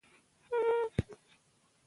د دماغ فعالیت د کولمو په بدلون پورې تړاو لري.